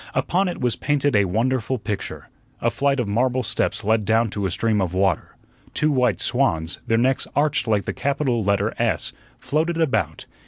Upon it was painted a wonderful picture. A flight of marble steps led down to a stream of water; two white swans, their necks arched like the capital letter S, floated about.